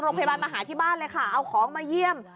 โรงพยาบาลมาหาที่บ้านเลยค่ะเอาของมาเยี่ยม